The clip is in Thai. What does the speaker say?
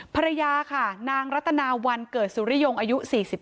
ภรรยาค่ะนางรัตนาวันเกิดสุริยงอายุ๔๓